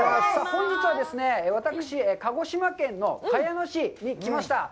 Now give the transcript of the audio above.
本日はですね、私、鹿児島県の鹿屋市に来ました。